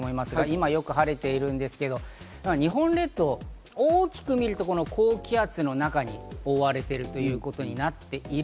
今よく晴れているんですけど、日本列島、大きく見るとこの高気圧の中に覆われているということになってい